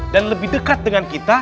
dan lebih dekat dengan kita